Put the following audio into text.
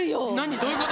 どういうこと？